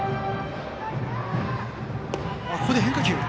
ここで変化球。